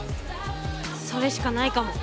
それしかないかも。